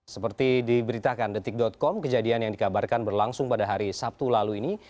seperti diberitakan detik com kejadian yang dikabarkan berlangsung pada hari sabtu lalu ini